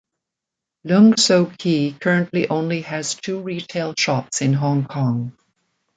Leung So Kee currently only has two retail shops in Hong Kong.